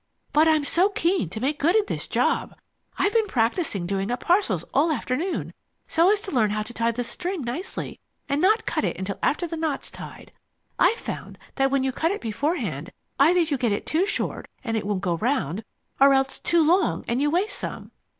But I'm so keen to make good in this job. I've been practicing doing up parcels all afternoon, so as to learn how to tie the string nicely and not cut it until after the knot's tied. I found that when you cut it beforehand either you get it too short and it won't go round, or else too long and you waste some.